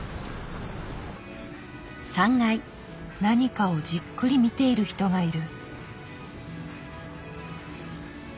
何かをじっくり見ている人がいる。